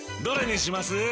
どれにします？